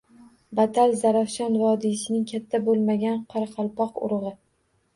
Batal-Zarafshon vodiysining katta bo‘lmagan qoraqalpoq urug‘i.